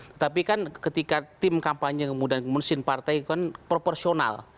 tetapi kan ketika tim kampanye kemudian mesin partai kan proporsional